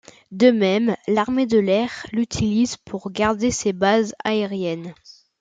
De même, l'Armée de l'air l'utilise pour garder ses bases aériennes.